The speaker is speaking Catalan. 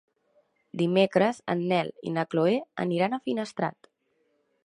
Dimecres en Nel i na Chloé aniran a Finestrat.